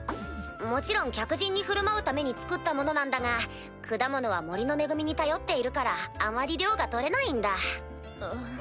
もちろん客人に振る舞うために造ったものなんだが果物は森の恵みに頼っているからあまり量が採れないんだ。